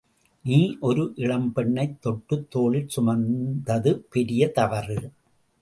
நீ ஒரு இளம் பெண்ணைத் தொட்டுத் தோளில் சுமந்தது பெரிய தவறு.